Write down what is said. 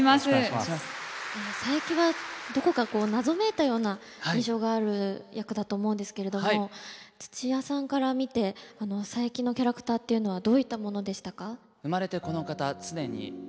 佐伯はどこか謎めいたような印象がある役だと思うんですけれども土屋さんから見て佐伯のキャラクターっていうのはどういったものでしたか？